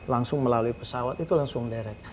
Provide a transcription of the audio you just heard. langsung melalui pesawat itu langsung derek